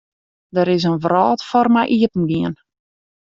Der is in wrâld foar my iepengien.